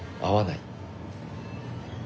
会わない。